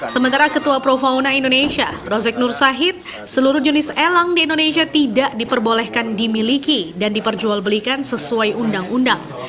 sementara ketua pro fauna indonesia rosek nur sahid seluruh jenis elang di indonesia tidak diperbolehkan dimiliki dan diperjualbelikan sesuai undang undang